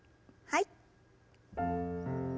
はい。